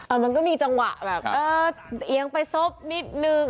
มันก็มีจังหวะแบบเออเอียงไปซบนิดนึง